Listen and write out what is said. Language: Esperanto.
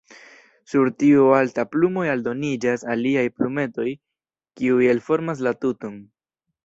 Sur tiu alta plumo aldoniĝas aliaj plumetoj, kiuj elformas la tuton.